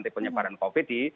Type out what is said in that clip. tentang penyebaran covid